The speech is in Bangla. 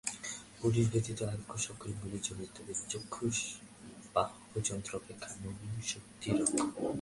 পুরুষ ব্যতীত আর সকলগুলি জড়, তবে চক্ষুরাদি বাহ্য যন্ত্র অপেক্ষা মন সূক্ষ্মতর।